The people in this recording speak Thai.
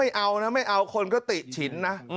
เอานะไม่เอาคนก็ติฉินนะ